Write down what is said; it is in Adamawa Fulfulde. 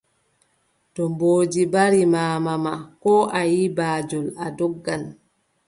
To mboodi mbari maama ma, koo a yiʼi baajol, a doggan.